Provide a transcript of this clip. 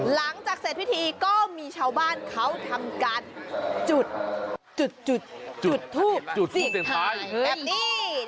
หลังจากเสร็จพิธีก็มีชาวบ้านเขาทำการจุดจุดจุดทูบจุดสุดท้ายแบบนี้